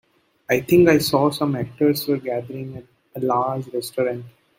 I think I saw some actors were gathering at a large restaurant.